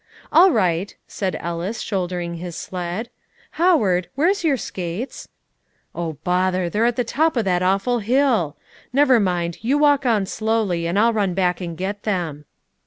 "All right," said Ellis, shouldering his sled; "Howard, where's your skates?" "Oh, bother! they're at the top of that awful hill. Never mind; you walk on slowly, and I'll run back and get them."